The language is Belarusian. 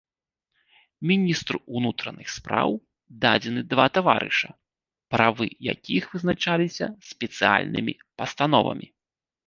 Міністру ўнутраных спраў дадзены два таварыша, правы якіх вызначаліся спецыяльнымі пастановамі.